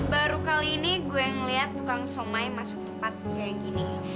baru kali ini gue ngeliat tukang somai masuk empat kayak gini